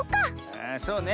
ああそうね。